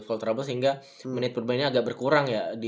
fall trouble sehingga menit perbaikannya agak berkurang ya